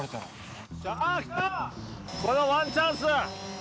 このワンチャンス。